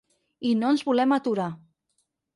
I no ens volem aturar.